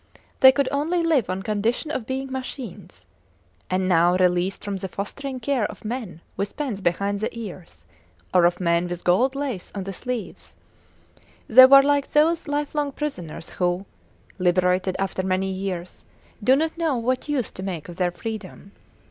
They could only live on condition of being machines. And now, released from the fostering care of men with pens behind the ears, or of men with gold lace on the sleeves, they were like those lifelong prisoners who, liberated after many years, do not know what use to make of their freedom.